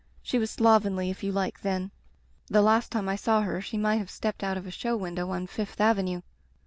She was slovenly if you like, then. The last time I saw her she might have stepped out of a show window on Fifth Avenue.